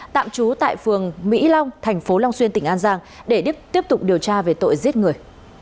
tạm trú tại phường mỹ long thành phố long xuyên tỉnh an giang để đức tiếp tục điều tra về tội giết người